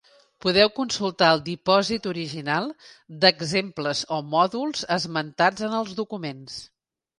Podeu consultar el dipòsit original d'exemples o mòduls esmentats en els documents.